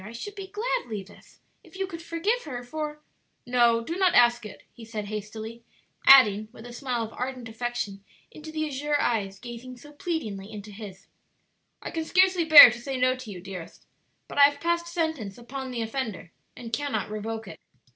I should be glad, Levis, if you could forgive her, for " "No, do not ask it," he said hastily; adding, with a smile of ardent affection into the azure eyes gazing so pleadingly into his; "I can scarcely bear to say no to you, dearest, but I have passed sentence upon the offender and cannot revoke it."